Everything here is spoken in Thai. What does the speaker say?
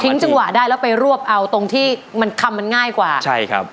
จังหวะได้แล้วไปรวบเอาตรงที่มันคำมันง่ายกว่าใช่ครับ